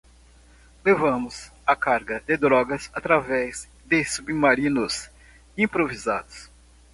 Levamos a carga de drogas através de submarinos improvisados